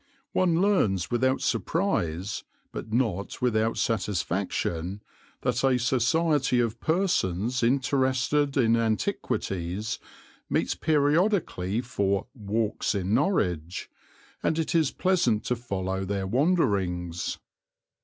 One learns without surprise, but not without satisfaction, that a society of persons interested in antiquities meets periodically for "Walks in Norwich," and it is pleasant to follow their wanderings.